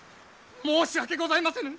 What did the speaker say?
申し訳ございませぬ！